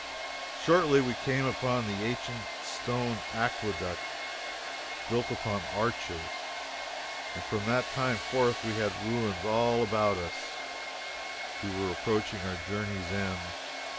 Shortly we came upon an ancient stone aqueduct, built upon arches, and from that time forth we had ruins all about us we were approaching our journey's end.